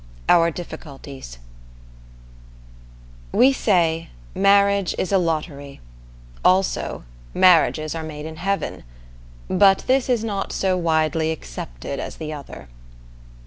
Our Difficulties We say, "Marriage is a lottery"; also "Marriages are made in Heaven" but this is not so widely accepted as the other.